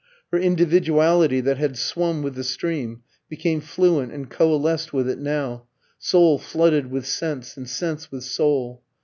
Her individuality that had swum with the stream became fluent and coalesced with it now, soul flooded with sense, and sense with soul.